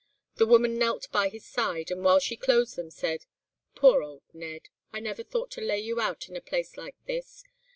The woman knelt by his side, and while she closed them, said, 'Poor old Ned! I never thought to lay you out in a place like this.